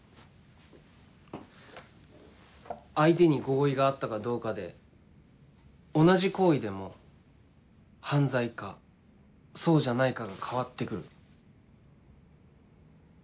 相手に合意があったかどうかで同じ行為でも犯罪かそうじゃないかが変わって来る。